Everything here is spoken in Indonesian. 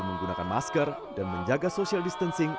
menggunakan masker dan menjaga social distancing